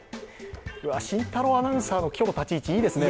慎太郎アナウンサーの今日の立ち位置いいですね。